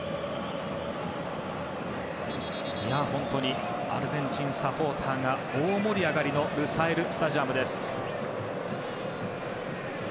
本当にアルゼンチンサポーターが大盛り上がりのルサイル・スタジアム。